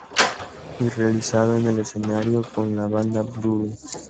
Y realizado en el escenario con la banda Blue.